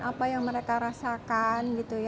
apa yang mereka rasakan